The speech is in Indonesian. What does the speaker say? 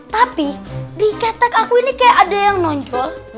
tapi di katak aku ini kayak ada yang nonjol